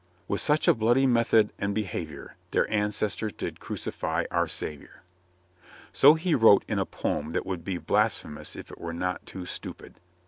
With such a bloody method and behavior Their ancestors did crucify our Saviour! So he wrote in a poem that would be blasphemous if it were not too stupid.